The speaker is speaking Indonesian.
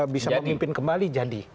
bisa memimpin kembali jadi